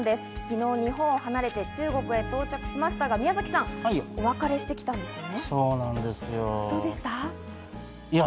昨日、日本を離れて中国へ到着しましたが、宮崎さん、お別れしてきたんですよね？